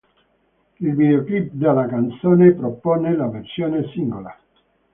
Il videoclip della canzone propone la versione singola.